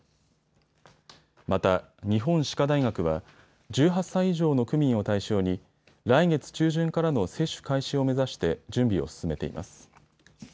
また日本歯科大学は１８歳以上の区民を対象に来月中旬からの接種開始を目指して準備を進めています。